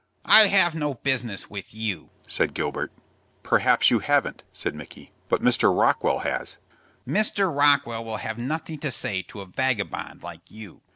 "I have no business with you," said Gilbert. "Perhaps you haven't," said Micky, "but Mr. Rockwell has." "Mr. Rockwell will have nothing to say to a vagabond like you."